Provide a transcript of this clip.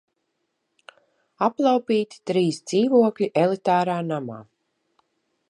Aplaupīti trīs dzīvokļi elitārā namā!